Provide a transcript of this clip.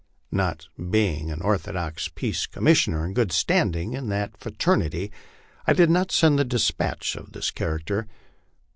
Not being an orthodox Peace Commissioner, in good standing in that fra ternity, I did not send a despatch of this character.